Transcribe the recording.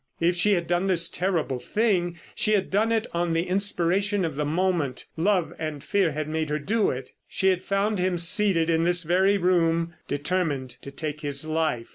If she had done this terrible thing, she had done it on the inspiration of the moment; love and fear had made her do it. She had found him seated in this very room determined to take his life.